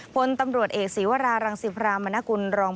พลตำรวจเอกศีวรารังสิพรามนกุลรอง